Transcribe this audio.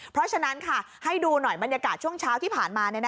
เพราะฉะนั้นให้ดูหน่อยบรรยากาศช่วงเช้าที่ผ่านมา